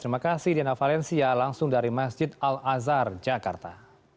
terima kasih diana valencia langsung dari masjid al azhar jakarta